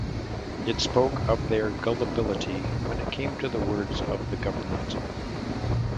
It spoke of their "gullibility" when it came to the words of the government.